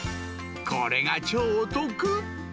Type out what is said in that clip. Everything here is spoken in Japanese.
これが超お得！